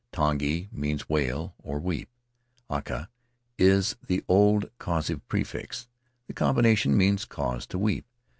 Tangi means 'wail' or 'weep'; aha is the old causative prefix; the combination means 'cause to weep.'